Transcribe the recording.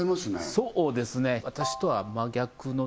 そうですね